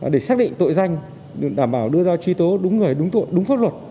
để xác định tội danh đảm bảo đưa ra trí tố đúng người đúng thuận đúng pháp luật